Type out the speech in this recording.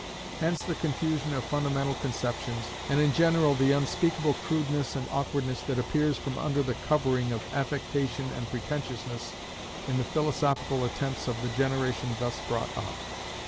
Hence the confusion of fundamental conceptions, and in general the unspeakable crudeness and awkwardness that appears from under the covering of affectation and pretentiousness in the philosophical attempts of the generation thus brought up.